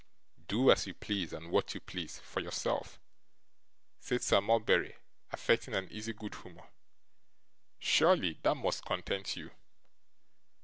'Do as you please, and what you please, for yourself,' said Sir Mulberry, affecting an easy good humour. 'Surely that must content you!